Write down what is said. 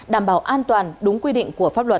đảm bảo an toàn đúng quy định của pháp luật